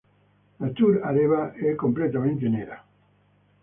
La Tour Areva è completamente nera.